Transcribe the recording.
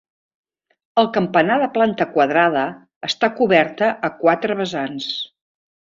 El campanar de planta quadrada està coberta a quatre vessants.